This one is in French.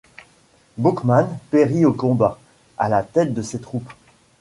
Boukman périt au combat, à la tête de ses troupes.